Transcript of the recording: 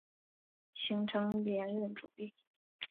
形成连任阻力。